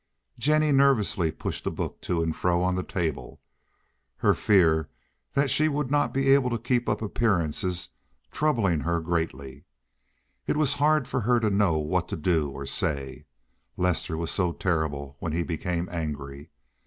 Jennie nervously pushed a book to and fro on the table, her fear that she would not be able to keep up appearances troubling her greatly. It was hard for her to know what to do or say. Lester was so terrible when he became angry.